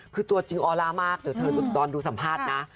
คือตัวจริงออร่ามากเดี๋ยวเธอตอนดูสัมภาษณ์นะ